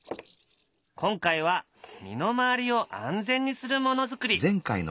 今回は身の回りを安全にするものづくり。